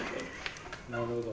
なるほど。